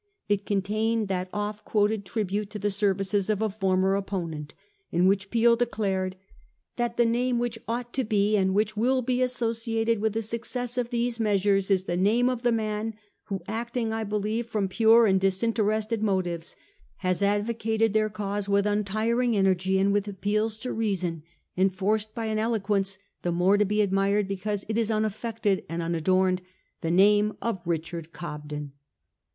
It contained that often quoted tribute to the services of a former opponent, in which Peel declared that £ the name which ought to be, and which will be, associated with the success of these measures is the name of the man who, acting, I believe, from pure and disinterested motives, has advocated their cause with untiring energy and with appeals to rea son enforced by an eloquence the more to be admired because it is unaffected and unadorned — the name of Richard Cobden.